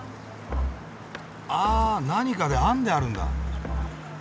あ何かで編んであるんだ。